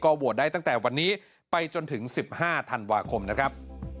โหวตได้ตั้งแต่วันนี้ไปจนถึง๑๕ธันวาคมนะครับ